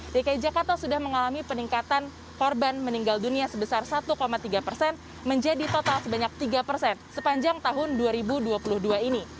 dki jakarta sudah mengalami peningkatan korban meninggal dunia sebesar satu tiga persen menjadi total sebanyak tiga persen sepanjang tahun dua ribu dua puluh dua ini